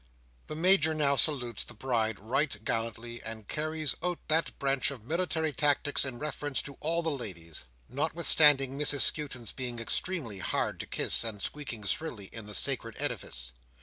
The Major now salutes the Bride right gallantly, and carries out that branch of military tactics in reference to all the ladies: notwithstanding Mrs Skewton's being extremely hard to kiss, and squeaking shrilly in the sacred edifice.